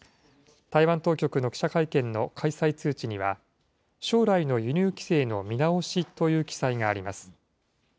台湾当局の記者会見の開催通知には、将来の輸入規制の見直しという記載があります。